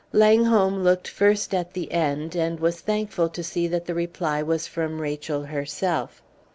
Langholm looked first at the end, and was thankful to see that the reply was from Rachel herself.